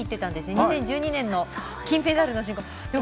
２０１２年の金メダルのときも。